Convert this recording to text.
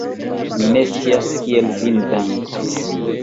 Mi ne scias, kiel vin danki!